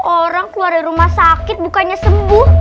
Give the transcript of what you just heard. orang keluarin rumah sakit bukannya sembuh